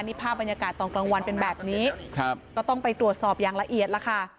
นี่ภาพบรรยากาศตอนกลางวันเป็นแบบนี้ครับก็ต้องไปตรวจสอบอย่างละเอียดล่ะค่ะ